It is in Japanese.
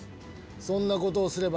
そんなことをすれば